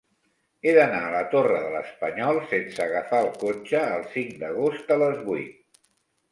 He d'anar a la Torre de l'Espanyol sense agafar el cotxe el cinc d'agost a les vuit.